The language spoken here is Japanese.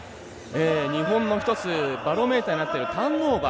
日本の一つバロメーターになっているターンオーバー。